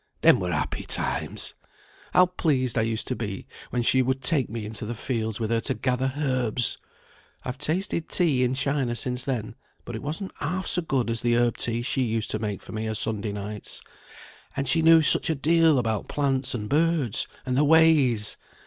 Them were happy times! How pleased I used to be when she would take me into the fields with her to gather herbs! I've tasted tea in China since then, but it wasn't half so good as the herb tea she used to make for me o' Sunday nights. And she knew such a deal about plants and birds, and their ways!